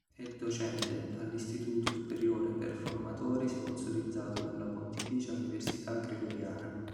È docente all'Istituto Superiore per Formatori sponsorizzato dalla Pontificia Università Gregoriana.